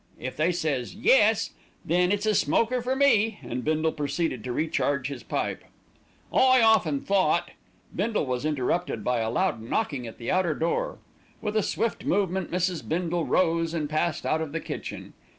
If they says 'Yes,' then it's a smoker for me;" and Bindle proceeded to re charge his pipe. "I often thought " Bindle was interrupted by a loud knocking at the outer door. With a swift movement Mrs. Bindle rose and passed out of the kitchen.